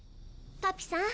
パピさん